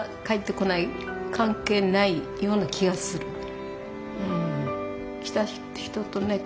帰ってこない関係ないような気がする。